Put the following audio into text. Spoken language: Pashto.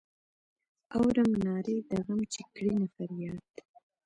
اورم نارې د غم چې کړینه فریاد.